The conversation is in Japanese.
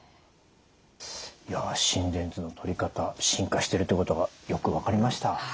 いや心電図のとり方進化してるということがよく分かりました。